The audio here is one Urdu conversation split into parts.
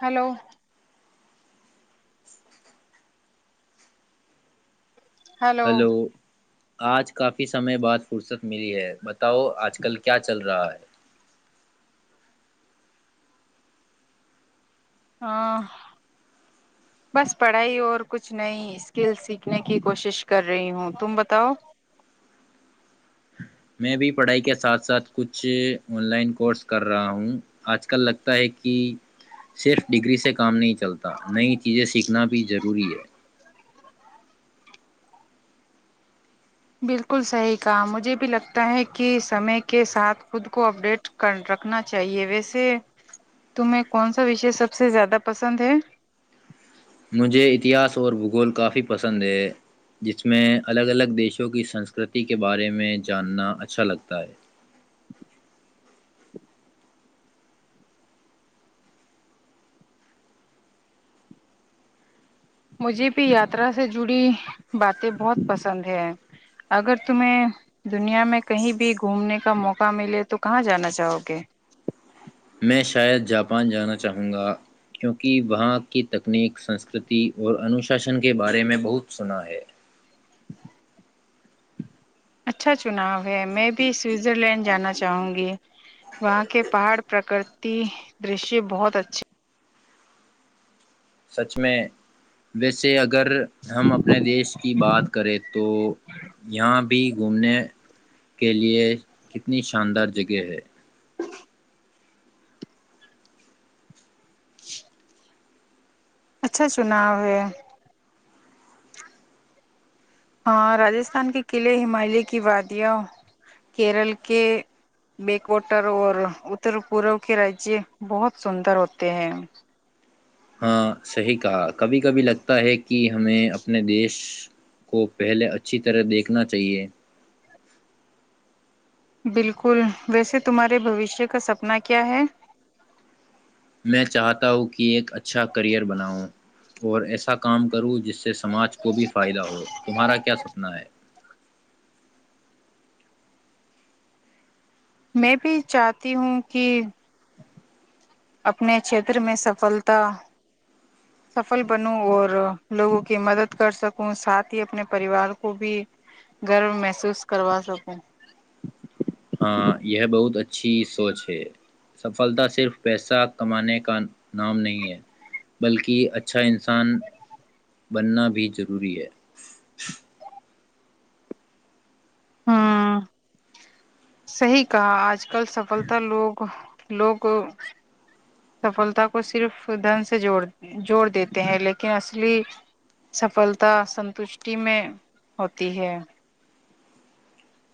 ہلو [inaudible] ہلو آج کافی سمے بعد فرصت ملی ہے بتاؤ آج کل کیا چل رہا ہے ہاں بس پڑھائی اور کچھ نئی اسکل سیکھنے کی کوشش کر رہی ہوں تم بتاؤ میں بھی پڑھائی کے ساتھ ساتھ کچھ آن لائن کورس کر رہا ہوں آج کل لگتا ہے کہ صرف ڈگری سے کام نہیں چلتا نئی چیزیں سیکھنا بھی ضروری ہے بالکل صحیح کہا مجھے بھی لگتا ہے کہ سمے کے ساتھ خود کو اپڈیٹ کر رکھنا چاہیے ویسے تمہیں کون سا وشے سب سے زیادہ پسند ہے مجھے اتہاس اور بھگول کافی پسند ہے جس میں الگ الگ دیشوں کی سنسکرتی کے بارے میں جاننا اچھا لگتا ہے مجھے بھی یاترا سے جڑی باتیں بہت پسند ہیں اگر تمہیں دنیا میں کہیں بھی گھومنے کا موقع ملے تو کہاں جانا چاہو گے میں شاید جاپان جانا چاہوں گا کیونکہ وہاں کی تکنیک سنسکرتی اور انوشاسن کے بارے میں بہت سنا ہے اچھا چناؤ ہے میں بھی سوئزر لینڈ جانا چاہوں گی وہاں کے پہاڑ پرکرتی درشیہ بہت اچھے سچ میں ویسے اگر اگر ہم اپنے دیش کی بات کریں تو یہاں بھی گھومنے کے لیے کتنی شاندار جگہ ہے اچھا چناؤ ہے ہاں راستھان کے قلعے ہمالیہ کی وادیاں کیرل کے بیکوٹر اور اتر پورو کے راجیہ بہت سندر ہوتے ہیں ہاں صحیح کہا کبھی کبھی لگتا ہے کہ ہمیں اپنے دیش کو پہلے اچھی طرح دیکھنا چاہیے بالکل ویسے تمہارے بوشیہ کا سپنا کیا ہے میں چاہتا ہوں کہ ایک ا اچھا کرئر بناؤں اور ایسا کام کروں جس سے سماج کو بھی فائدہ ہو تمہارا کیا سپنا ہے میں بھی چاہتی ہوں کہ اپنے چھیتر میں سفلتا سفل بنوں اور لوگوں کی مدد کر سکوں ساتھ ہی اپنے پریوار کو بھی گرو محسوس کروا سکوں ہاں یہ بہت اچھی سوچ ہے سفلتا صرف پیسہ کمانے کا نام نہیں ہے بلکہ اچھا انسان بننا بھی ضروری ہے ہوں صحی کہا آج آ کل سفلتا لوگ لوگ سفلتا کو صرف دن سے جوڑ جوڑ دیتے ہیں لیکن اصلی سفلتا سنتشٹی میں ہوتی ہے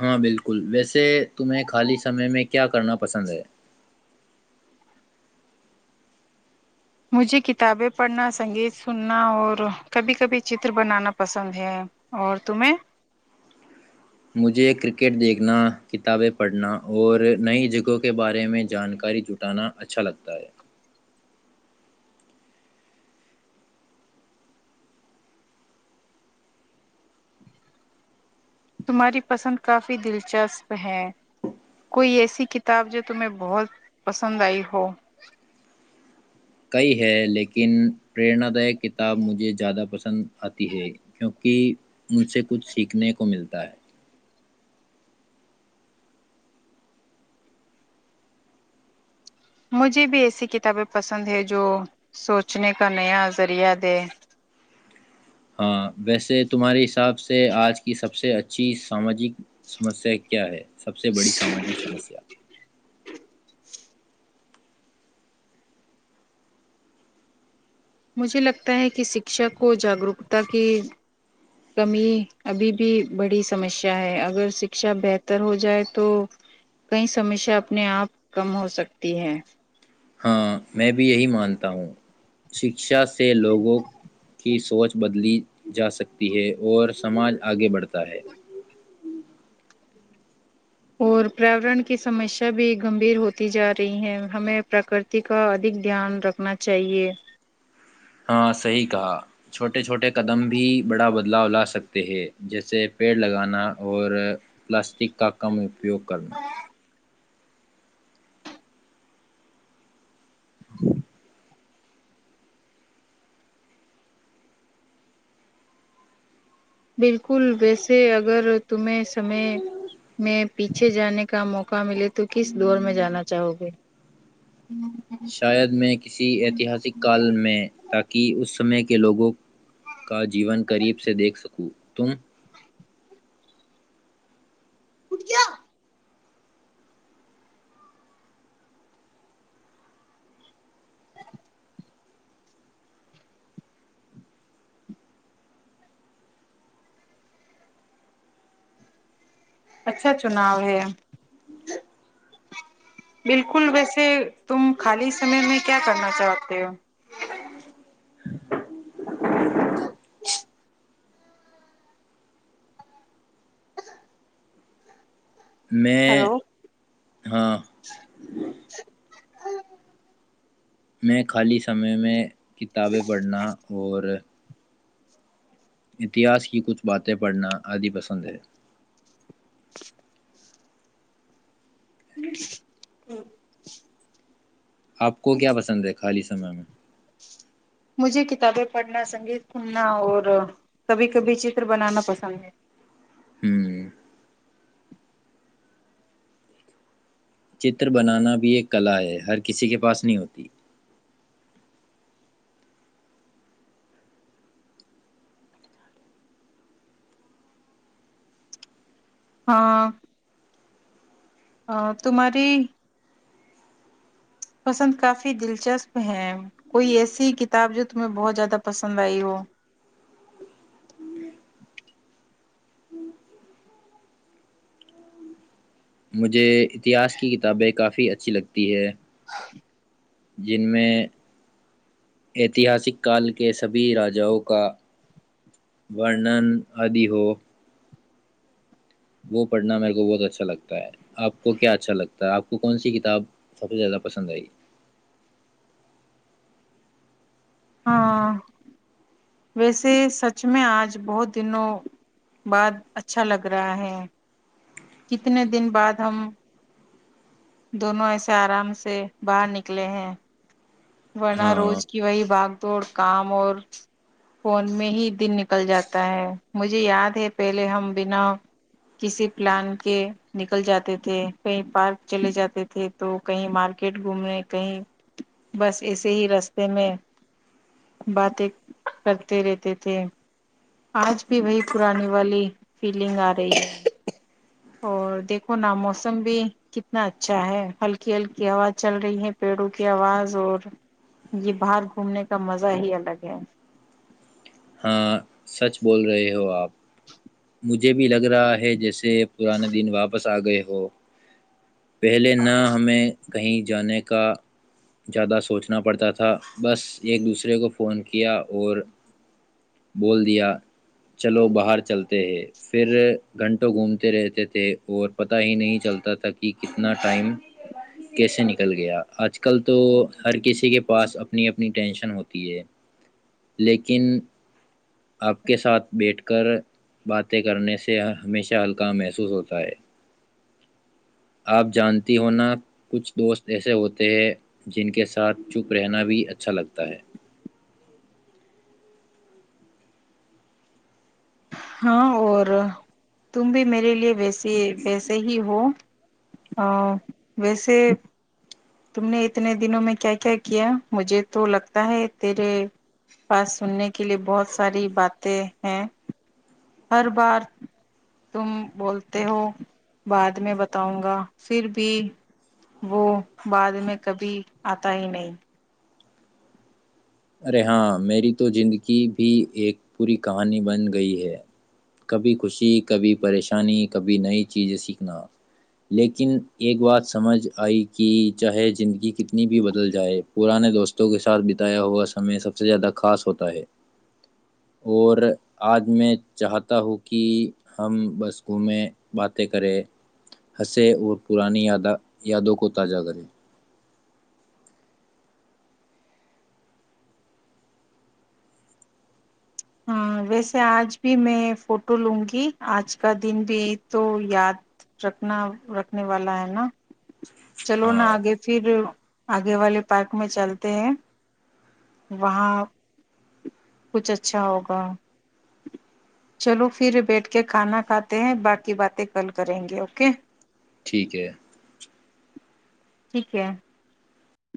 ہاں بالکل ویسے تمہیں خالی سمے میں کیا کرنا پسند ہے مجھے کتابیں پڑھنا سنگیت سننا اور کبھی کبھی چتر بنانا پسند ہے اور تمہیں مجھے کرکٹ دیکھنا کتابیں پڑھنا اور نئی جگہوں کے بارے میں جانکاری جٹانا اچھا لگتا ہے تمہاری پسند کافی دلچسپ ہے کوئی ایسی کتاب جو تمہیں بہت پسند آئی ہو کئی ہے لیکن پریرنا دائ کتاب مجھے زیادہ پسند آتی ہے کیونکہ ان سے کچھ سیکھنے کا کو ملتا ہے مجھے بھی ایسی کتابیں پسند ہے جو سوچنے کا نیا ذریعہ دے ہاں ویسے تمہارے حساب سے سے آج کی سب سے اچھھی ک جی ساماجک سمسیا کیا ہے سب سے بڑی ساماجک سمسیا مجھے لگتا ہے کہ شکشا کو جاگروکتا کی کمی ابھی بھی بڑی سمسیا ہے اگر شکشا بہتر ہو جائے تو کئی سمسیا اپنے آپ کم ہو سکتی ہے ہاں میں بھی یہی مانتا ہوں شکشا سے لوگوں کی سوچ بدلی جا سکتی ہے اور سماج آگے بڑھتا ہے اور پریاورن کی سمسیا بھی گمبھیر ہوتی جا رہی ہے ہمیں پرکرتی کا ادھک دھیان رکھنا چاہیے ہاں صحیح کہا چھوٹے چھوٹے قدم بھی بڑا بدلاؤ لا سکتے ہیں جیسے پیڑ لگانا اور پلاسٹک کا کم اپیوگ کرنا ہاں بالکل ویسے اگر تمہیں سمے میں پیچھے جانے کا موقع ملے تو کس دور میں جانا چاہو گے شاید میں کسی ایتہاسک کال میں تاکہ اس سمے کے کے لوگوں کا جیون قریب سے دیکھ سکوں تم کٹیا اچھا چناؤ ہے بالکل ویسے تم خالی سمے میں کیا کرنا چاہتے ہو ج میں ہلو ہاں میں خالی سمے میں کتابیں پڑھنا اور اتہس کی کچھ باتیں پڑھنا عادی پسند ہے ا آپ کو کیا پسند ہے خالی سمے میں؟ مجھے کتابیں پڑھنا سنگیت سننا اور کبھی کبھی چتر بنانا پسند ہے ہوں چتر بنانا بھی ایک کلا ہے ہر کسی کے پاس نہیں ہوتی ہاں ا تمہاری پسند کافی دلچسپ ہے کوئی ایسی کتاب جو تمہیں بہت زیادہ پسند آئی ہو مجھے اتہاس کی کتابیں کافی اچھی لگتی ہے [unintelligible] جن میں ایتہاسک کال کے سبھی راجاؤں کا ورنن آدی ہو وہ پڑھنا میرے کو بہت اچھا لگتا ہے آپ کو کیا اچھا لگتا ہے آپ کو کون سی کتاب سب سے زیادہ پسند آئی ہاں ویسے سچ میں آج بہت دنوں بعد اچھا لگ رہا ہے کتنے دن بعد ہم دونوں ایسے آرام سے باہر نکلے ہیں ورناہ روز ہاں کی وہی باغ توڑ کام اور فون میں ہی دن نکل جاتا ہے مجھے یاد ہے پہلے ہم بنا کسی پلان کے نکل جاتے تھے کہیں پارک چلے جاتے تھے تو کہیں مارکیٹ گھومنے کہیں بس ایسے ہی رستے میں باتیں کرتے رہتے تھے آج بھی وہی پرانی والی فیلنگ آ رہی ہے اور دیکھو نا موسم بھی کتنا اچھا ہے ہلکی ہلکی آواز چل رہی ہے پیڑوں کی آواز اور یہ باہر گھومنے کا مزہ ہی الگ ہے ہاں سچ بول رہے ہو آپ [unintelligible] مجھے بھی لگ رہا ہے جیسے سے پرانا دن واپس آ گئے وہو پہلے نہ ہمیں کہیں جانے کا زیادہ سوچنا پڑتا تھا بس ایک دوسرے کو فون کیا اور بول دیا چلو باہر چلتے ہے پھر گھنٹوں گھومتے رہتے تھے اور پت ہی نہیں چلتا تھا کہ کتنا ٹائم کیسے نکل گیا آج کل تو ہر کسی کے پاس اپنی اپنی ٹینشن ہوتی ہے لیکن آپ کے ساتھ بیٹھ کر باتیں کرنے سے ہمیشہ ہلکا محسوس ہوتا ہے آپ جانتی ہو نا کچھ دوست ایسے ہوتے ہیں جن کے ساتھ چپ رہنا بھی اچھا لگتا ہے ہاں اور تم بھی میرے لیے وس یہ ویسے ہی ہو ہ بسے تم نے اتنے دنوں میں کیا کیا کیا مجھے تو لگتا ہے تیرے پاس سننے کے لیے بہت ساری باتیں ہیں ہر بار تم بولتے ہو بعد میں بتاؤں گا پھر بھی وہ بعد میں کبھی آتا ہی نہیں ارے ہاں میری تو زندگی بھی ایک پی کہانی بن گئی ہے کبھی خوشی کبھی پریشانی کبھی نئی چیزیں سیکھنا لیکن ایک بات سمجھ آئی کہ چاہے زندگی کتنی بھی بدل جائے پرانے دوستوں کے ساتھ بتایا ہوا ہمیں سب سے زیادہ خاص ہوتا ہے اور آج میں چاہتا ہوں کہ ہم بس گھومے باتیں کریں ہنسے اور پرانی یادا یادوں کو تازہ کریں ہاں ویسے آج بھی میں فوٹو لوں گی آج کا دن بھی تو یاد رکھنا رکھنے والا ہے نا چلو نہ ہاں آگے پھر آگے والے پارک میں چلتے ہیں وہاں کچھ اچ اچھا ہوگا چلو پھر بیٹھ کے کھانا کھاتے ہیں باقی باتیں کل کریں گے اوکے ٹھیک ہے ٹھیک ہے